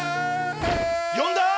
呼んだ？